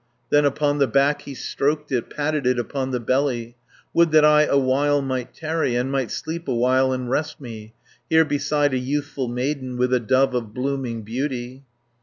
Then upon the back he stroked it, Patted it upon the belly. "Would that I awhile might tarry, And might sleep awhile and rest me, Here beside a youthful maiden, With a dove of blooming beauty."